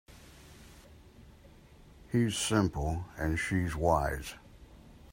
He's simple and she's wise.